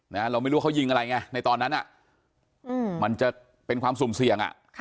เราไม่รู้ว่าเขายิงอะไรไงในตอนนั้นมันจะเป็นความสุ่มเสี่ยงอ่ะค่ะ